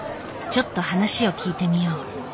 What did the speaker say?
ちょっと話を聞いてみよう。